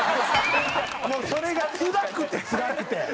もうそれがつらくてつらくて。